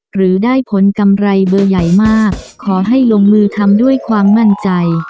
หรือได้ผลกำไรเบอร์ใหญ่มากขอให้ลงมือทำด้วยความมั่นใจ